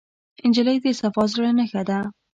نجلۍ د صفا زړه نښه ده.